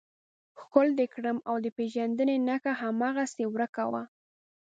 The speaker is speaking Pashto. ښکل دې کړم او د پېژندنې نښه هماغسې ورکه وه.